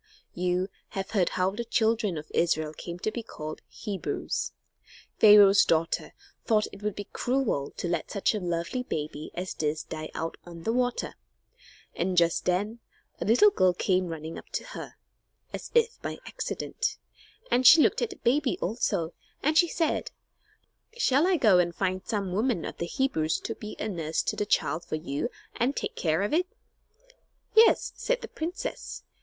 You have heard how the children of Israel came to be called Hebrews. Pharaoh's daughter thought that it would be cruel to let such a lovely baby as this die out on the water. And just then a little girl came running up to her, as if by accident, and she looked at the baby also, and she said: "Shall I go and find some woman of the Hebrews to be a nurse to the child for you and take care of it?" "Yes," said the princess.